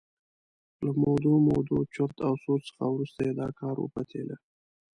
له مودو مودو چرت او سوچ څخه وروسته یې دا کار وپتېله.